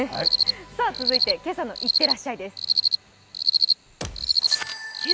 続いて、「今朝のいってらっしゃい」です。